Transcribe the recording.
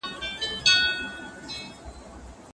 آيا بيله اجازې وتل ګناه ده؟